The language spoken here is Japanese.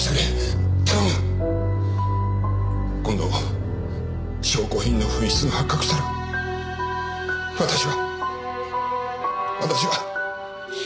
今度証拠品の紛失が発覚したら私は私は。